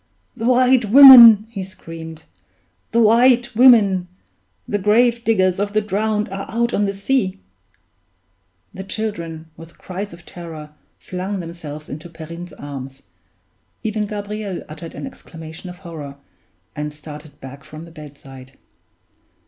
"The White Women!" he screamed. "The White Women; the grave diggers of the drowned are out on the sea!" The children, with cries of terror, flung themselves into Perrine's arms; even Gabriel uttered an exclamation of horror, and started back from the bedside.